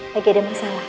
lagi ada masalah